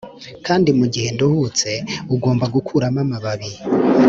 kandi mugihe nduhutse ugomba gukuramo amababi,